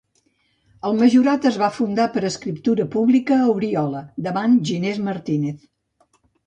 El majorat es va fundar per escriptura pública a Oriola davant Ginés Martínez.